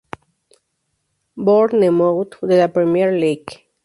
Bournemouth de la Premier League.